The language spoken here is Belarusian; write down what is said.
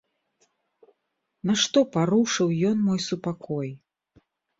Нашто парушыў ён мой супакой?